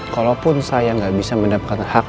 kalaupun saya gak bisa mendapatkan hak adepsi rena